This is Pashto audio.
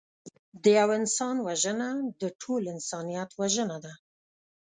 د یوه انسان وژنه د ټول انسانیت وژنه ده